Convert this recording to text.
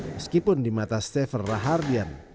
meskipun di mata stafer rahardian